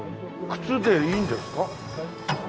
靴でいいんですか？